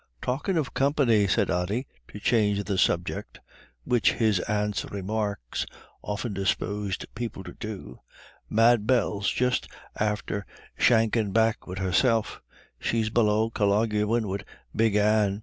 "Talkin' of company," said Ody, to change the subject which his aunt's remarks often disposed people to do "Mad Bell's just after shankin' back wid herself; she's below colloguin' wid Big Anne.